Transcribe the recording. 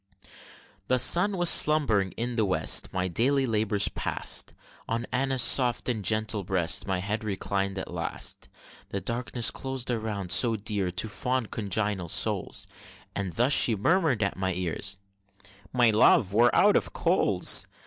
The sun was slumbering in the West. My daily labors past; On Anna's soft and gentle breast My head reclined at last; The darkness clos'd around, so dear To fond congenial souls, And thus she murmur'd at my ear, "My love, we're out of coals!"